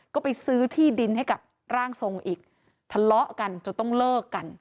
ก็ไปซื้อที่ดินให้กับร่างทรงอีกทะเลาะกันจนต้องเลิกกัน